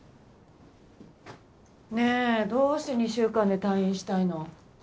ねえどうして２週間で退院したいの？